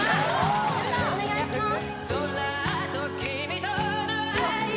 ・お願いします